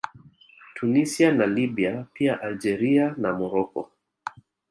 Tunisia na Libya pia Algeria na Morocco